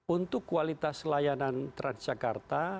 untuk kualitas layanan transjakarta